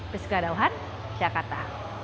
biska dauhan jakarta